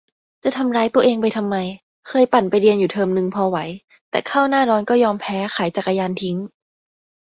จะทำร้ายตัวเองไปทำไม เคยปั่นไปเรียนอยู่เทอมนึง พอไหว แต่เข้าหน้าร้อนก็ยอมแพ้ ขายจักรยานทิ้ง !